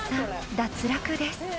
脱落です］